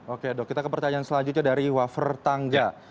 oke dok kita ke pertanyaan selanjutnya dari wafer tangga